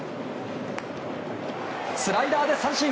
スライダーで三振！